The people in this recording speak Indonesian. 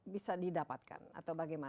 bisa didapatkan atau bagaimana